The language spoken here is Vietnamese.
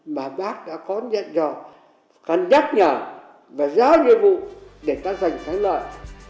mà bác đã có nhận rõ khán giác nhờ và giáo nhiệm vụ để ta giành thắng lợi